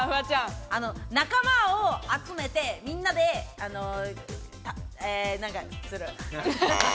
仲間を集めてみんなでなんかする。